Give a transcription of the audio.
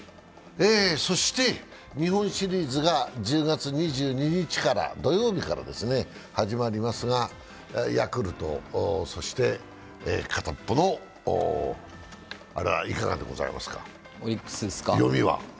そして日本シリーズが１０月２２日土曜日から始まりますが、ヤクルト、そして片っぽのあれはいかがですか、読みは。